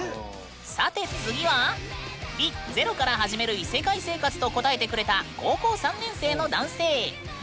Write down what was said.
さて次の紹介は「Ｒｅ：ゼロから始める異世界生活」と答えてくれた高校３年生の男性。